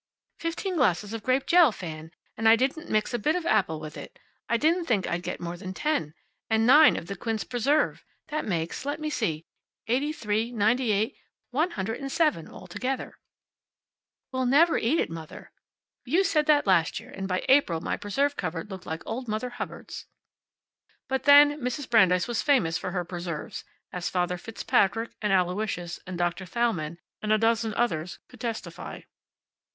"Fifteen glasses of grape jell, Fan! And I didn't mix a bit of apple with it. I didn't think I'd get more than ten. And nine of the quince preserve. That makes let me see eighty three, ninety eight one hundred and seven altogether." "We'll never eat it, Mother." "You said that last year, and by April my preserve cupboard looked like Old Mother Hubbard's." But then, Mrs. Brandeis was famous for her preserves, as Father Fitzpatrick, and Aloysius, and Doctor Thalmann, and a dozen others could testify.